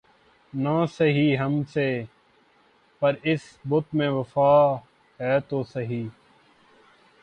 نہ سہی ہم سے‘ پر اس بت میں وفا ہے تو سہی